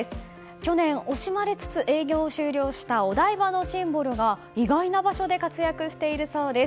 去年、惜しまれつつ営業を終了したお台場のシンボルが意外な場所で活躍しているそうです。